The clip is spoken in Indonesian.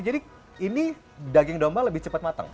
jadi ini daging domba lebih cepat matang